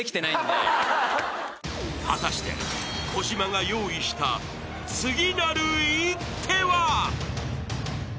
［果たして小島が用意した次なる一手は］